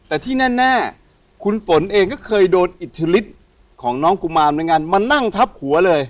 แต่ที่แน่คุณฝนเองก็เคยโดนอิทธิฤทธิ์ของน้องกุมารเหมือนกันมานั่งทับหัวเลย